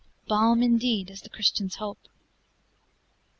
Balm, indeed, is the Christian's hope!"